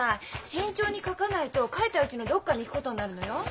慎重に書かないと書いたうちのどこかに行くことになるのよ。